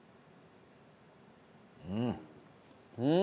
うん。